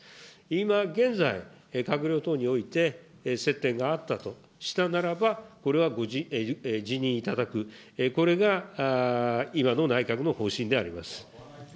今現在、閣僚等において接点があったとしたならば、これは辞任いただく、これが今の内閣の方針であります。